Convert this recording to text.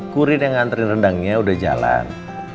kurir yang nganterin rendangnya udah jalan